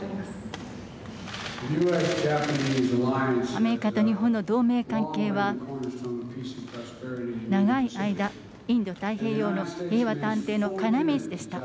アメリカと日本の同盟関係は長い間、インド太平洋の平和と安定の要でした。